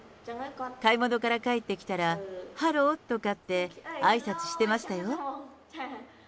買い物から帰ってきたら、ハローとかってあいさつしてましたよ。